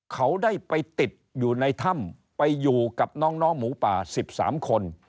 เขาได้ไปติดอยู่ในถ้ำไปอยู่กับน้องหมูป่า๑๓คน